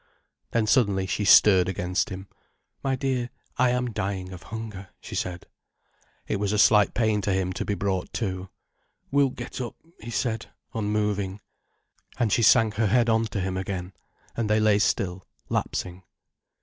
Then suddenly she stirred against him. "My dear, I am dying of hunger," she said. It was a slight pain to him to be brought to. "We'll get up," he said, unmoving. And she sank her head on to him again, and they lay still, lapsing.